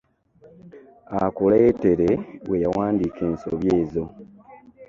Akuleetere we yawandiika ensobi ezo.